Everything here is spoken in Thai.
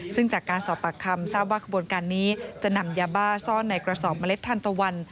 ซึ่งจากการสอบปากคำทราบว่าขบวนการนี้จะนำยาบ้าซ่อนในกระสอบเมล็ดทันตะวัน